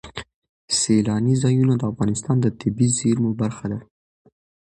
سیلانی ځایونه د افغانستان د طبیعي زیرمو برخه ده.